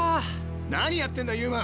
何やってんだ遊馬！